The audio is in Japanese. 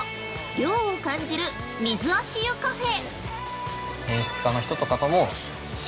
涼を感じる水足湯カフェ。